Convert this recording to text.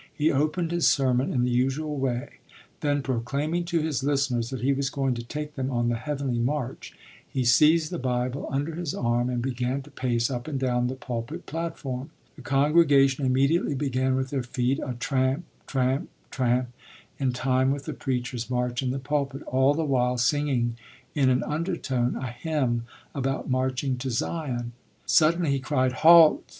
He opened his sermon in the usual way; then, proclaiming to his listeners that he was going to take them on the heavenly march, he seized the Bible under his arm and began to pace up and down the pulpit platform. The congregation immediately began with their feet a tramp, tramp, tramp, in time with the preacher's march in the pulpit, all the while singing in an undertone a hymn about marching to Zion. Suddenly he cried: "Halt!"